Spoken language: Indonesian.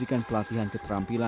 hidup kami tiga tahun lubang suku